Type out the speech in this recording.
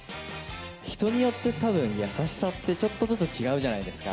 人によってたぶん優しさってちょっとずつ違うじゃないですか。